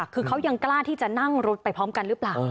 คือเขายังกล้าที่จะนั่งรถไปพร้อมกันหรือเปล่า